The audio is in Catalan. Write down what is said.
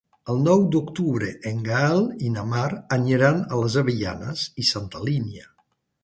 El nou d'octubre en Gaël i na Mar aniran a les Avellanes i Santa Linya.